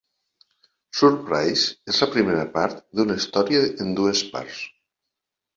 "Surprise" és la primera part d'una història en dues parts.